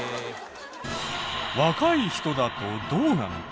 若い人だとどうなのか？